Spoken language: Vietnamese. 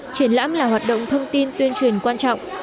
triển lãm là hoạt động thông tin tuyên truyền quan trọng